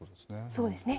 そうですね。